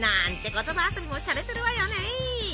言葉遊びもしゃれてるわよね。